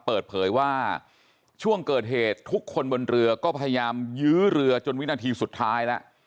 เปิดเผยว่าช่วงเกิดเหตุทุกคนบนเรือก็พยายามยื้อเรือจนวินาทีสุดท้ายแล้ว